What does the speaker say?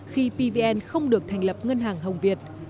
khi pvn không được thành lập ngân hàng hồng việt